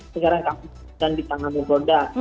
sekarang di tangan boda